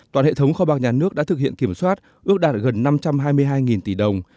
toàn hệ thống kho bạc nhà nước đã thực hiện kiểm soát ước đạt gần năm trăm hai mươi hai tỷ đồng